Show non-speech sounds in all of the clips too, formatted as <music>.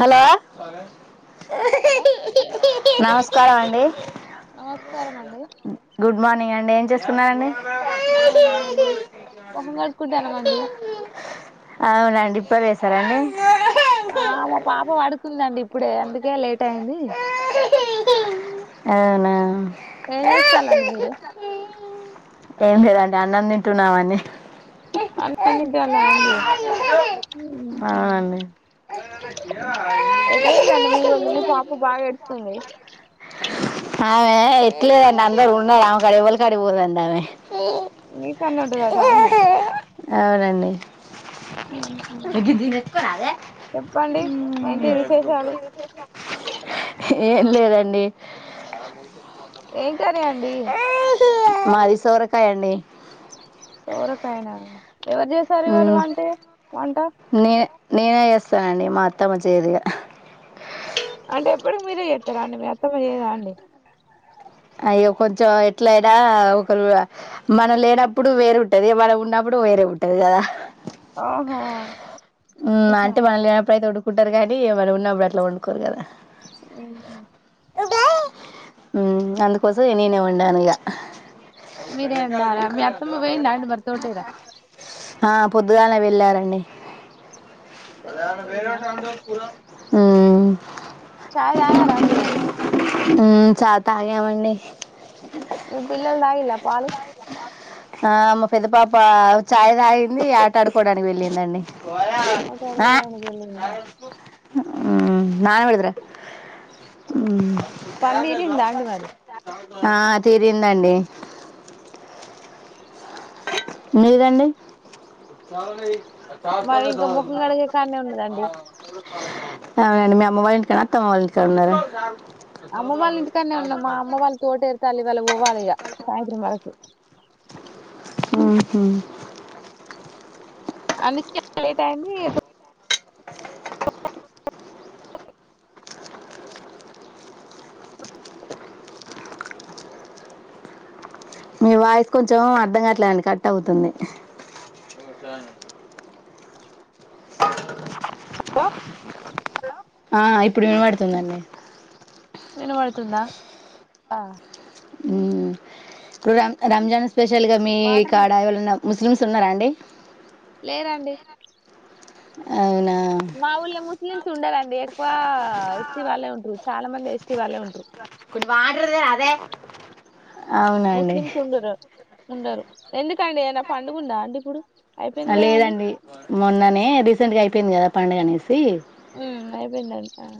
Hello hello నమస్కారం అండి నమస్కారం అండి గుడ్ మార్నింగ్ అండి ఏం చేస్తున్నండి గుడ్ మార్నింగ్ అండి ముహం కడుకుంటారమ అండి అవునండి ఇప్పుడే వేసారండి ఆ మా పాప పడుకుందండి ఇప్పుడే అందుకే లేట్ అయింది అవునా ఏం చేస్తా మీరు ఏం లేదండి అన్నం తింటున్నామండి అన్నం తింటలాండి ఊహు అవునండి ఎటు పోయిరండి మీ వొళ్ళు మీ పాప బాగా ఏడుతుంది ఆమె ఇట్లే అందరు ఉన్నారు ఎవరి కాడికి పొందండి ఆమె ఊ కన్నే వుంటదటాండీ ఇది దీని ఎత్తులో రావే చెప్పండి ఏంటి మ్మ్ విశేషాలు ఏం లేదండి ఏం కర్రీ అండి మాది సోరకాయ అండి సొరకాయనా ఎవరు చేసారు ఇవ్వాళ వంటే వంట నేనే నేనే చేస్తానండి మా అత్తమ్మ చైదు ఇగ అంటే ఎప్పుడు మీరే చెత్తరా అండి మీ అత్తమ్మ చెయ్యదా అండి అయ్యో కొంచెం ఎట్లయినా ఒకరు మనం లేనప్పుడు వేరుంటది మనం ఉన్నప్పుడు ప్పుడు వేరే ఉంటది కదా ఆహా మ్మ్ అంటే మల్లా పొయ్యేదపుడు కుంటారు కదండి మనం ఉన్నప్పుడు అట్లా వండుకోరు కదా మ్మ్ హు ఉమ్ అందుకోసం ఇగ నేనే వండాను ఇగా మీరే వండారా మీ అత్తమ్మ పోయిందా అండి మరి తోటేరా ఆ పొద్దుగాలే వెళ్ళారండి పొద్దుగాల పోయిల్లా మ్మ్ చాయ్ తాగరా అండి మరి మ్మ్ ఛాయ్ తాగమండి మీ పిల్లలు తాగినా పాలు ఆ మా పెద్ద పాప ఛాయ్ తాగింది ఆట ఆడుకోవడానికి వెళ్ళిందండి ఆట ఆ, ఆడుకోవడానికి వెళ్ళింది ఏమో పని తీరిందా మ్మ్ అండి మరి ఆ తీరిందండి మీదండి <inaudible> మాది ఇంకా ముఖం కడిగే కాన్నే ఉన్నదండి అవునండి మీ అమ్మ వాళ్ల ఇంటి కాన్నా అత్తమ్మ వాళ్ల ఇంటి కాడున్నారా ఇంట్లో నే ఉన్నాం మా అమ్మ వాళ్ళు తోటే వెళ్ళాలే ఇవాళ పోవాలా ఇగ సాయంత్రం <unintelligible> హ్మ్ హు అందుకే లేట్ అయింది <inaudible> మీ వాయిస్ కొంచెం అర్ధం గాట్లేదండి కట్ అవుతుంది <inaudible> హలో ఆ ఇప్పుడు వినపడుతుందండి వినబడుతుందా ఆ మ్మ్ ఇప్పుడు రం రంజాన్ స్పెషల్ గా మీ వాటర్ కాడా ఎవలన్నా ముస్లిమ్స్ ఉన్నారా అండి లేరండి అవునా మా ఊళ్ళో ముస్లిమ్స్ ఉండరండి ఎక్కువ ఎస్టీ వాళ్ళే ఉంటురు చాలా మంది ఎస్టీ వాళ్ళే ఉంటురు కొన్ని వాటర్ తెరాదే ముస్లిమ్స్ ఉండరు ఉండరు ఎందుకండి ఏనా పండుగ ఉందా అండి ఇప్పుడు అయిపోయింది ఆ కదా అండి లేదండి మొన్ననే రీసెంట్ గా అయిపోయింది కదా పండుగ అనేసి మ్మ్ అయిపోందండి ఆ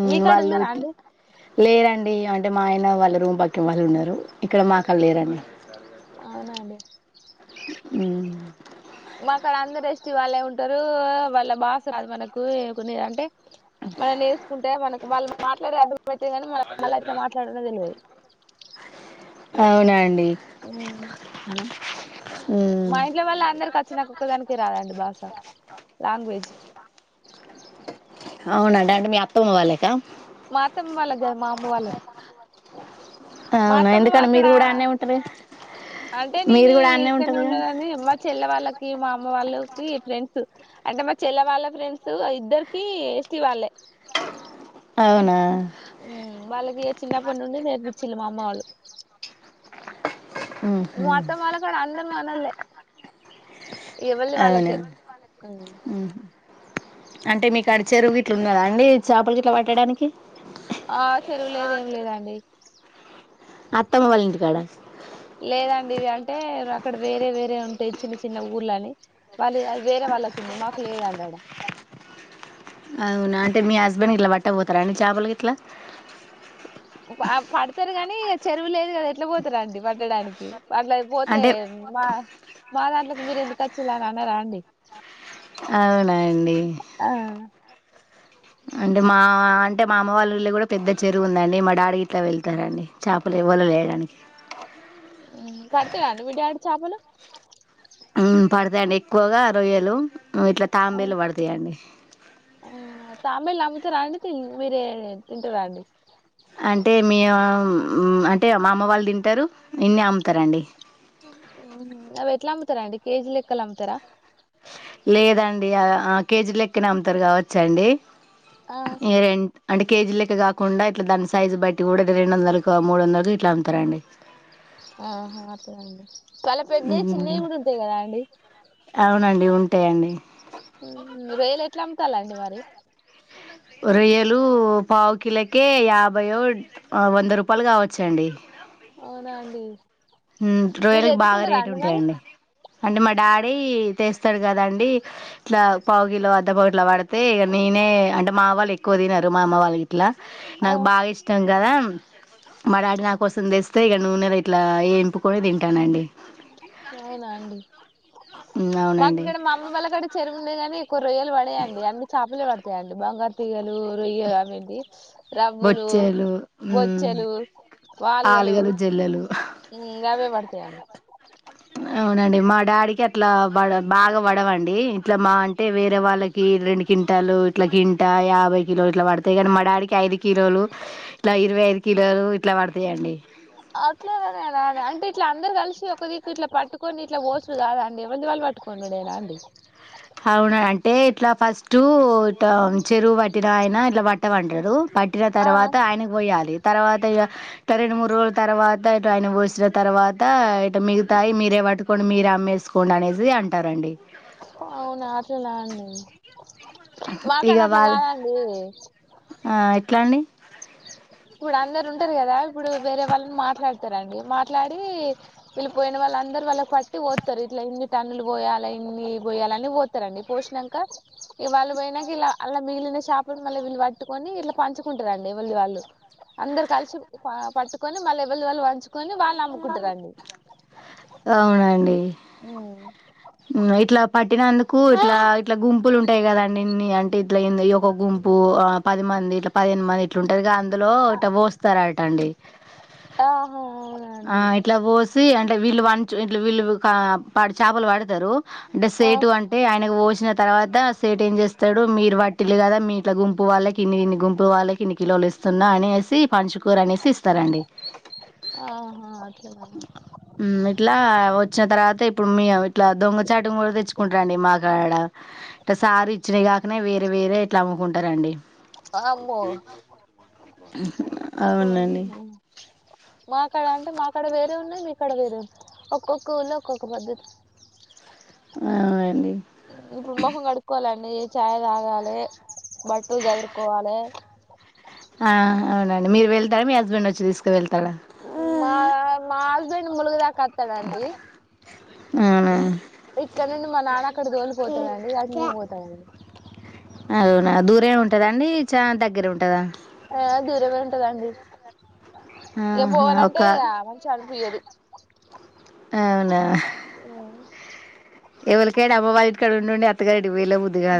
మ్మ్ వాళ్ళు ఇట్లా లేరండి అన్ అంటే మా ఆయన వాళ్ళ రూమ్ పక్కకి వాళ్ళు ఉన్నారు ఇక్కడ మాకాడ లేరండి అవునండి మ్మ్ మాకాడ అందరూ ఎస్ చు వాళ్ళే ఉంటారు వాళ్ళ బాస కాదు మనకు ఏ కొన్ని అంటే మనం నేసుకుంటే మనకి వాళ్ళు మాట్లాడే అర్డు పెట్టంది కాని మన మళ్ళీ అట్లా మాట్లాడడం తెలియదు టైమ్ ఉండదండి మ్మ్ మా ఇంట్లో వాళ్ళ అందరికి వచ్చు నాక్కొక్కదానికే రాదండి భాష లాంగ్వేజ్ అవునండి అంటే మీ అత్తమ్మ వాళ్ళక మాతమ్మ వాళ్ళద మా అమ్మ వాళ్ళకి మా అవునా అత్తమ్మ ఎందుకని అక్కడ మీరు కూడా ఆడనే ఉంటారు కదా అంటే మీరు నేను కూడా ఆన్నే ఇక్కడనే ఉంటారు కదా ఉండేదన్ని మా చెల్లె వాళ్ళకి మా అమ్మ వాళ్ళకి ఫ్రెండ్స్ సు అంటే మా చెల్ల వాళ్ళ ఫ్రెండ్స్ ఇద్దరికి ఎస్ట్ వాళ్ళే అవునా ఉమ్ వాళ్ళకి చిన్నప్పటి నుండి నేర్పించిళ మా అమ్మ వాళ్ళు ఉహు మా అత్తమ్మ వాళ్ళ కాడ అందరు మనోళ్లే ఎవలిది అవునా వాళ్ళకే ఉహు అంటే మీకు అడ చెరువు ఇట్లు ఉన్న కదా అండి చేపల ఇట్లా పట్టడానికి ఆ చెరువు లేదు ఏం లేదండి అత్తమ్మ వాల్ంటికాడ లేదండి ఇది అంటే అక్కడ వేరే వేరే ఉంటాయి చిన్న చిన్న ఊర్ళని వాళ్ళు అది వేరే వాళ్ళకు ఉంది మాకు లేదండి మాక్ అక్కడ అవునా అంటే మీ హస్బెండ్ ఇట్లా పట్ట పోతారా అడి చేపలకి ఇట్లా పడతారు కానీ ఇక చెరువు లేదు కదా ఎట్లా పోతారుండి పట్టడానికి అట్ల పోతే అంటే మా మా దాంట్లోకి మీరు ఎందుకుచ్చిలా అని అన్నార అండి అవునండి ఆ అంటే మా అంటే మా అమ్మ వాళ్ళు ఊర్లో కూడా పెద్ద చెరువు ఉందండి మా డాడకి ఇట్లా వెళ్తారండి చేపలు ఇవల లేరని ఉ పడుతదండి మీ డాడీ చేపలు ఉమ్ పడతాయండి ఎక్కువగా రొయ్యలు ఇట్లా ఆ, తాంబేలు పడతాయండి ఆ తాంబేలు అమ్ముతారా అండి మీరే తింటారు అండి ఉమ్ అంటే మా అమ్మ వాళ్ళు తింటారు ఇన్న అమ్ముతారండి అవి ఎట్లా అమ్ముతారా అండి కేజీ లెక్కలు అమ్ముతారా లేదండి ఆ ఆ కేజీ లెక్కిన అమ్ముతారు కావచ్చాండి ఆ, ఇగా రెంట్ అంటే కేజీ లెక్క కాకుండా ఇట్లా దాని సైజు బట్టి కూడా రెండు వందల మూడు వంద ఇట్లా అమ్ముతారండి ఆహా అట్లనా అండి తల పెడ మ్మ్ చిన్నవి కూడా ఉంటాయి కదా అండి టై అండి ఉ రొయ్యలు ఎట్లా అమ్ముతాలండి మరి రొయ్యలు పావు కిల్లోకే యాభై వంద రూపాయలు కావచ్చండి అవునా అండి ఉ మీరు రోయ్యలకి బాగా ఎత్తుకుంటారా రేటు అండి మరి ఉంటాయండి అంటే మా డాడీ స్తాడు కదండి ఇట్లా పావు కిలో అద్ద ప ఇట్లా పడితే ఇ నేనే అంటే మా వాళ్ళు ఎక్కువ తినారు మా అమ్మ వాళ్ళకి ఇట్లా ఆ! నాకు బాగా ఇష్టం కదా మా డాడీ నా కోసం తెస్తే ఇక నూనెలో ఇట్లా ఏ ఎంపుకొని తింటానండి అవునా అండి ఉమ్, మాకు అవునండి ఇక్కడ మా అమ్మ వాళ్ళ అడ చెరువు ఉంది కానీ ఒక రొయ్యలు పడేయండి అన్నన్ని చేపలే పడతాయండి బంగారు తీగలు రొయ్యలు అవి రగ్గులు బొచ్చేలు ఉమ్, బొచ్చలు పాలుగలు ఆలుగలు జల్లలు ఇన్ గవే పడతాయన్నమాట అవునండి మా డాడీకి అట్లాడ బాగా పడవండి ఇట్లా మా అంటే వేరే వాళ్ళకి రెండు చింటాలు ఇట్లా కిలు అయ్వే ఇలా పడతాయి కానీ మా డాడీ ఐదు కిలోలు ఇ ఇరవై ఐదు కిలోలు ఇట్లా పడతాయండి అట్లాగానే అదే అంటే ఇట్లా అందరు కలిసి ఒక దీకు ఇట్లా పట్టుకొని ఇట్లా ఓసుడు కాదాండి ఎమంది వాళ్ళు పట్టుకోండేనా అండి అవునా అంటే ఇట్లా ఫస్ట్ ఇటా చెరువు పట్టిన అయిన ఇట్లా వట్ట వంటారు పట్టిన ఆ! తర్వాత ఆయనకు పోయాలి తర్వాత ఇగా ఇక రెండు మూడు రోజుల తర్వాత ఇటు ఆయన పోసిన తర్వాత అంటే మీగ తాయి మీరే పట్టుకోంని మీరే అమ్మేసుకోండి అనేసి అంటారండి అవును అట్లనా అండి మాకాడ ఇక అట్లా వాళ్ళు కాదండి ఎట్లా అండి ఇప్పుడు అందరు ఉంటరు కదా ఇప్పుడు వేరే వాళ్ళని మాట్లాడతారండి మాట్లాడి వీళ్ళు పోయిన వాళ్ళ అందరు వాళ్ళకి పట్టి పోత్తారు ఇట్లా ఇన్ని టన్నులు పోయాల ఇన్ని పోయాలని పోత్తారండి పోశీనంక ఇగా వాళ్ళు పోయినంక ఇలా అళ్ల మిగిలిన చాపలు మళ్ళ వీళ్ళు పట్టుకొని ఇట్లా పంచుకుంటరండి ఎవల్దీవాళ్ళు అందరు కలిసి ప పట్టుకొని మళ్ళీ ఎవల్దీ వాళ్ళు పంచు కొని వాళ్ళు అమ్ముకుంటారండి ఉ ఇట్లా పట్టినందుకు ఇట్లా ఇట్లా గుంపులు ఉంటాయి కదండి ఇన్ని అంటే ఇట్లా <unintelligible> ఒ గుంపు ఆ పది మంది ఇట్లా పదిహేను మంది ఇట్లా ఉంటదిగా అందులో ఇట్టా పోస్తారటండి ఆహా అవునా ఆ అండి ఇట్లా పోసి అ ంటే వీళ్ళు వంచు వీళ్ళు <unintelligible> చాపలు పడతారు అంటే సేటు అంటే ఆయనకు పోశిన తర్వాత సేటు ఏం చేస్తడు మీరు వట్ ట్టిల్లు కదా మీ ఇట్ల గుంపు వాళ్ళకి ఇన్ని ఇన్ని గుంపు వాళ్ళకి ఇన్ని కిలోలు ఇస్తున్నా అనేసి పంచుకోర్రి అనేసి ఇస్తారండి ఆహా అట్లన మ్ ఇట్లా వచ్చిన తర్వాత ఇప్పుడు మీ ఇట్లా దొంగచాటుగా కూడా తెచ్చుకుంటారండి మాకాడ ఇట్ట సారు ఇచ్చినవి కాకనే వేరే వేరే ఇట్లా అమ్ముకుంటారండి అమ్మో అవునండి మాకాడ అంటే మాకాడ వేరే ఉన్నాయి మీకాడ వేరే ఉన్నాయి ఒక్కొక్క ఊళ్ళో ఒక్కొక్క పద్ధతి అవునండి ఇప్పుడు మొహం కడుక్కోవాలండి డి చాయ్ తాగాలే బట్టలు చదురుకోవాలే ఆ అవునండి మీరు వెళ్తారా మీ హస్బెండ్ వచ్చి తీసుకువెళ్తారా మా మా హస్బెండ్ ములుగు దాకా వస్తాడండి అవునా ఇక్కడ నుండి మా నాన్న అక్కడ తోలిపోతడండి అది మేము పోతామండి అవునా దూరమే ఉంటద అండి చానా దగ్గర ఉంటదా ఆ దూరమే ఉంటదండి ఇగా ఆహా! ఒక పోవాలంటే ఇగా మంచిగా అనిపియదు అవునా అ ఎవలికయినా అమ్మ వారి ఇంటికాడ ఉండి ఉండి అత్తాగా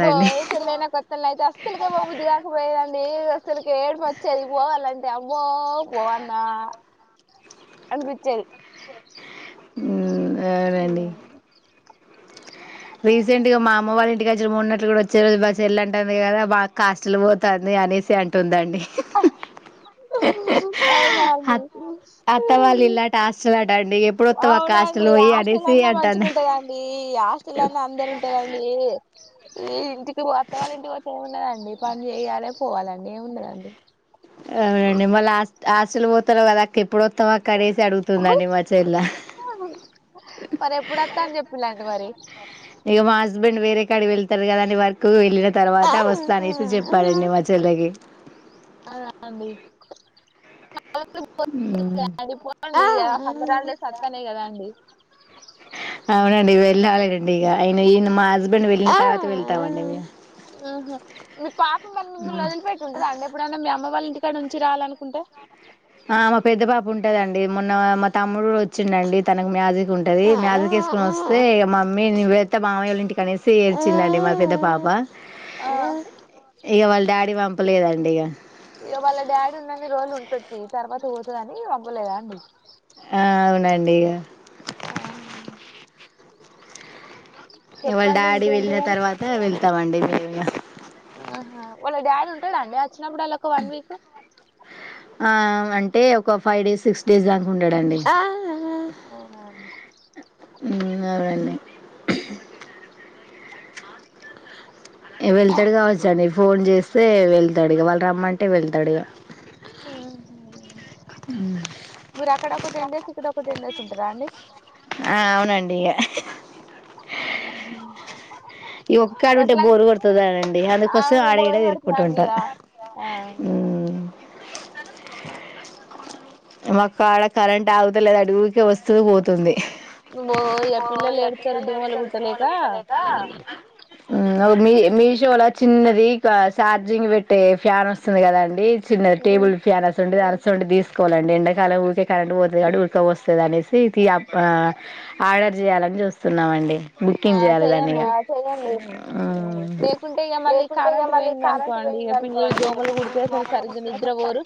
ఓ పెళ్ళైైన కొత్తల అయితే అస్సలుకే పోబుద్ది కాకపోయేదండి అసలుకి ఏడూపు వచ్చేది పోవాలంటే అబ్బో పోవాల్నా అనిపించింది ఉమ్ అవునండి రీసెంట్ గా మా అమ్మ వాళ్ళ ఇంటికి వచ్చిన మొన్నట్ల కూడా వచ్చే రోజు మా చెల్లె అంటాంది కదా మా అక్క హాస్టల్ కి పోతాంది అనేసి అంటుందండి ఆ హ్ అవునా అండి అత్ అత్త వాళ్ళు ఇల్లాట హాస్టల్ అట అండి ఎప్పుడొస్తావు అక్క అవునా అండి హాస్టల్ పోయి హాస్టల్ అనేసి అన్న అంటాను మంచుగుంటదండి హాస్ట <unintelligible> అందరూ ఉంటారండి ఈ ఇంటికి మా అత్తా వాళ్ళ ఇంటికి పోతే ఏం ఉండదండి పని చేయాలే పోవాలండి ఏం ఉన్నదండీ అవునండి మళ్ళీ హాస్ట్ హాస్టల్ పోతానవ్ కదా అక్క ఎప్పుడు వత్తవ్ అక్క కర్రీస్ అడుగుతుందండి మా చెల్లె మరి ఎప్పుడు వత్తా అని చెప్పిలండి మరి ఇగా మా హస్ హస్బెండ్ వేరే కాడ వెళ్తారు కదా అండి వర్క్ వెళ్ళిన తర్వాత వస్తా అనేసి చెప్పాడండి మా చెల్లె కి అదా అండి <unintelligible> సమ్మర్ హాలిడేస్ వస్తానయ్ కదా అండి అవునండి వెళ్ళాలే అండి ఇక అయన ఈయన మా హస్బెండ్ వెళ్ళిన తర్వాత వెళ్తామండి మేము ఆహ మీ పాప మరి మిమ్మల్ని వదిలి పెట్టి ఉంటదా అండి ఎప్పుడన్నా మీ అమ్మ వాళ్ళ ఇంటి టీ కాడ ఉంచి రావాలనుకుంటే ఆ మా పెద్ద పాప ఉంటదండి మొన్న మా తమ్ముడు కూడా వచ్చిండండి తనకు మ్యాజిక్ ఉంటది మ్యాజిక్ తీసుకుని వస్తే ఇక మమ్మీ పెద్ద మామయళ ఇంటి కనేసి వచ్చిందండి మా పెద్ద పాప ఆ ఇక వాళ్ళ డాడీ పంపలేదండి ఇక ఇగ వాళ్ళ డాడీ ఉన్నన్నిరోజులు ఉంటది తర్వాత పోతుందని <unintelligible> అమ్్వలేదా అండి ఆ అవునండి ఇక ఆ ఇవాళ చెప్పండి డాడీ ఇంకేంటి వెళ్ళిన మరి తర్వాత వెళ్తామండి ఆహా వాళ్ళ డడీ ఉంటాడా అండి వచ్చినప్పుడు వాళ్ళ ఒక వన్ వీక్ ఆ అంటే ఒక ఫైవ్ డేస్ సిక్స్ డేస్ దాక ఉండడండి అవునా అండి ఇ అడన్న <unintelligible> వెళ్తాడు కావచ్చ అండి ఫోన్ చేస్తే వెళ్తాడు ఇకా వాళ్ళు రమ్మ హూ హు మీరు అక్కడ ఒక టెన్ డేస్ ఇక్కడ ఒక టెన్ డేస్ ఉంటారా అండి ఆ అవునండిక మ్మ్. ఈ ఒక్క ఆడు ఉంటే ఎట్లా బోరు కొడుతాదండి అందుకోసం అవును ఆడ ఈడ బోరు తిరుకుంట కొడుతదండి ఉంటా ఇగ ఆ ఆగుతలేదు అడుగుకే వస్తుూ పోతుంది బో ఇగ పో పిల్లలు ఎట్ ఏడుత్తరు దోమలు ఏడుస్తారు స <unintelligible> కుట్టలేక వాలుభసన్నాయద మీ మీషోలా చిన్నది చార్జింగ్ పెట్టే ఫ్యాన్ వస్తది కదా అండి చిన్న మ్మ్. టేబుల్ ఫ్యాన్ <unintelligible> ఉ అ ఉ దీస కోవాలండి ఎండాకాలం ఊరికే కరెంట్ పోతది కాబట్టి ఉడక పోస్తది అనేసి ఆర్డర్ చేయాల చూస్తున్నామండి ఆ బుకింగ్ చేయాలి దాన్ని చెయ్యండి మ్మ్. ఇక లేకుంటే ఇగ మళ్ళీ లేకుంటే ఇ కరెంట్ మళ్ళీ పోయింది కరెం అనుకోండి ఇగ పిల్లలు దోమలు కుడితే అసలు సరిగ్గా నిద్ర చస్తాను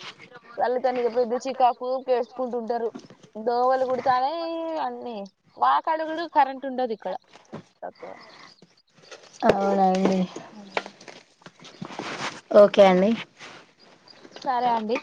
కాకు కేసుకుంటుంటారు దోవలు కుడతానే అన్నీ వాత అడుగుడు కరెంట్ <unintelligible> అండది ఇక్కడ తక్కగా అవునండి ఓకే అండి సరే అండి